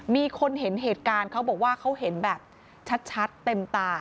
มีคนเห็นเหตุการณ์เขาบอกว่าเขาเห็นแบบชัดเต็มตา